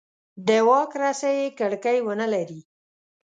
د واک رسۍ یې کړکۍ ونه لري.